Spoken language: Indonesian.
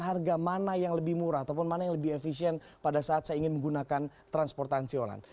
maka saya bisa mencari perbandingan harga mana yang lebih murah ataupun mana yang lebih efisien pada saat saya ingin menggunakan transportasi online